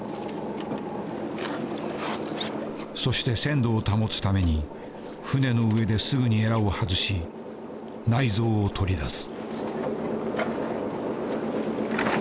そして鮮度を保つために船の上ですぐにエラを外し内臓を取り出す。